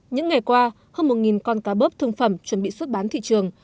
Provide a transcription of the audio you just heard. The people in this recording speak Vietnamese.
những ngày qua hơn một con cá bớp thương phẩm chuẩn bị xuất bán thị trường